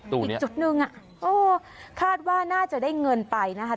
ตู้เนี้ยอีกจุดหนึ่งอ่ะโอ้คาดว่าน่าจะได้เงินไปนะคะ